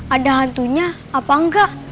ada hantunya apa enggak